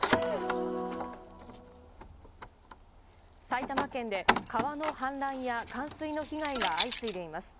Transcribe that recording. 埼玉県で川の氾濫や冠水の被害が相次いでいます。